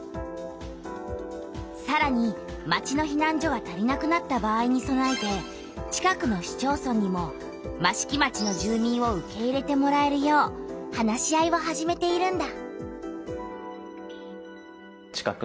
さらに町のひなん所が足りなくなった場合にそなえて近くの市町村にも益城町の住民を受け入れてもらえるよう話し合いを始めているんだ。